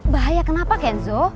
bahaya kenapa kenzo